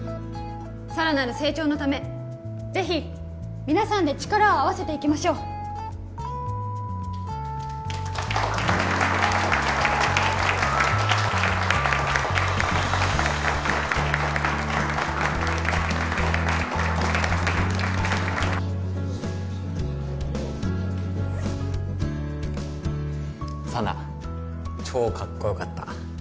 さらなる成長のためぜひ皆さんで力を合わせていきましょう佐奈超かっこよかった